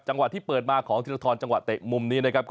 จังหวะที่เปิดมาจากดินทรธรณ์เวลาเตะมุมนี้นะครับ